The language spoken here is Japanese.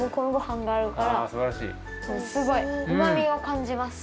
すごいうまみをかんじます。